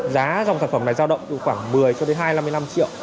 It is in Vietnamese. giá dòng sản phẩm này giao động từ khoảng một mươi cho đến hai mươi năm triệu